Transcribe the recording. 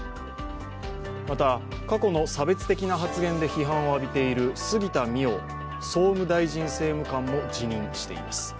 また過去の差別的な発言で批判を浴びている杉田水脈総務大臣政務官も辞任しています。